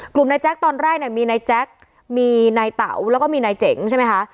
นายแจ๊คตอนแรกเนี่ยมีนายแจ๊คมีนายเต๋าแล้วก็มีนายเจ๋งใช่ไหมคะ